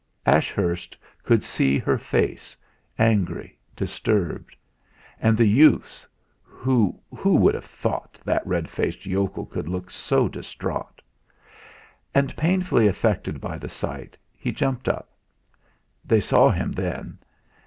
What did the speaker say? Ashurst could see her face, angry, disturbed; and the youth's who would have thought that red faced yokel could look so distraught! And painfully affected by that sight, he jumped up. They saw him then.